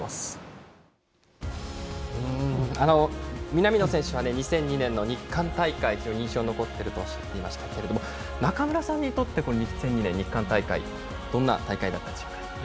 南野選手は２００２年の日韓大会が非常に印象に残っているということでしたけども中村さんにとって、日韓大会はどんな大会だったでしょうか。